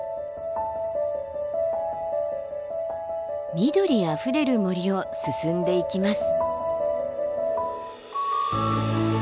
緑あふれる森を進んでいきます。